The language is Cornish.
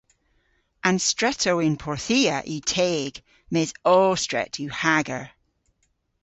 An stretow yn Porthia yw teg mes ow stret yw hager.